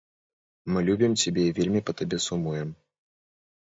Мы любім цябе і вельмі па табе сумуем.